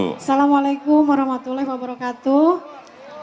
assalamu'alaikum warahmatullahi wabarakatuh